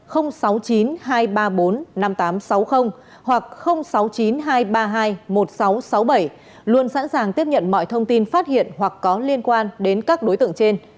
sáu mươi chín hai trăm ba mươi bốn năm nghìn tám trăm sáu mươi hoặc sáu mươi chín hai trăm ba mươi hai một nghìn sáu trăm sáu mươi bảy luôn sẵn sàng tiếp nhận mọi thông tin phát hiện hoặc có liên quan đến các đối tượng trên